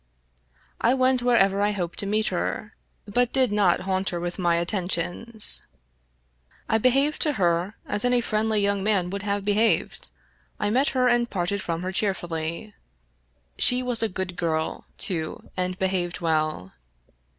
I went wherever I hoped to meet her, but did not haunt her with my attentions. I behaved to her as any friendly young man would have behaved : I met her and parted from her cheerfully. She was a good girl, too, and behaved well.